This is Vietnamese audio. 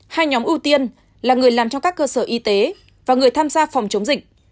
hai nhóm ưu tiên là người làm trong các cơ sở y tế và người tham gia phòng chống dịch